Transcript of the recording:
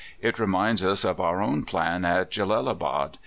It reminds us of our own plan at Jellalabad.